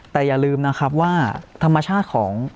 แต่อย่าลืมนะครับว่าธรรมชาติของ